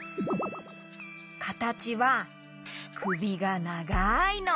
かたちはくびがながいの。